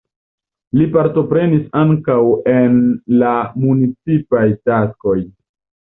Li partoprenis ankaŭ en la municipaj taskoj.